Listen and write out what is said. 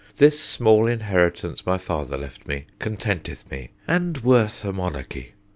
This small inheritance, my father left me, Contenteth me, and worth a monarchy.